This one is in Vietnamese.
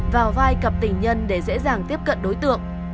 vào vai cặp tình nhân để dễ dàng tiếp cận đối tượng